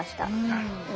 なるほど。